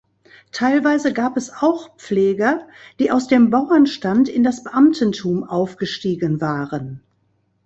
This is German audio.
Teilweise gab es auch Pfleger, die aus dem Bauernstand in das Beamtentum aufgestiegen waren.